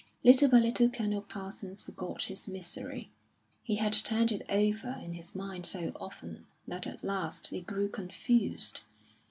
Little by little Colonel Parsons forgot his misery; he had turned it over in his mind so often that at last he grew confused.